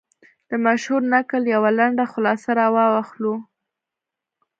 د مشهور نکل یوه لنډه خلاصه را واخلو.